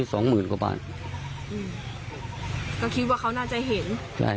ก็คิดว่าเขาน่าจะเห็น